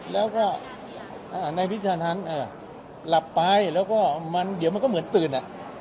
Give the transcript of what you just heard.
แล้วก็อ่าในวิทยาลังค์อ่าหลับไปแล้วก็มันเดี๋ยวมันก็เหมือนตื่นอ่ะ